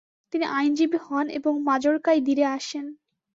তিনি আইনজীবী হন এবং মাজোর্কায় দিরে আসেন।